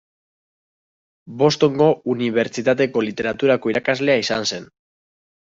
Bostongo unibertsitateko literaturako irakaslea izan zen.